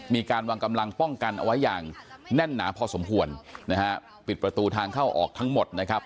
มีการวางกำลังป้องกันเอาไว้อย่างแน่นหนาพอสมควรนะฮะปิดประตูทางเข้าออกทั้งหมดนะครับ